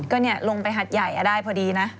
ก็ลงไปหัดใหญ่ได้พอดีนะ